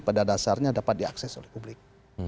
pada dasarnya dapat diakses oleh publik